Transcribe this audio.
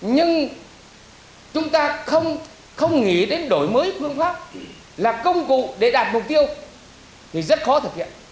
nhưng chúng ta không nghĩ đến đổi mới phương pháp làm công cụ để đạt mục tiêu thì rất khó thực hiện